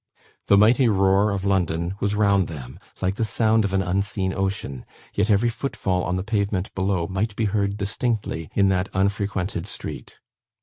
The mighty roar of London was round them, like the sound of an unseen ocean, yet every footfall on the pavement below might be heard distinctly, in that unfrequented street.